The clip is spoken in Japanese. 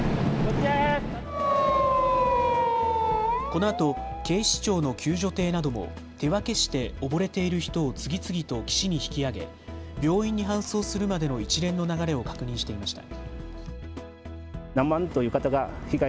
このあと警視庁の救助艇なども手分けして溺れている人を次々と岸に引き上げ病院に搬送するまでの一連の流れを確認していました。